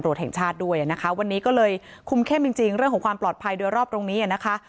ตำรวจแห่งชาติด้วยนะคะวันนี้ก็เลยคุ้มเข้มวิจีกรของทางความปลอดภัยกับตรงนี้นะ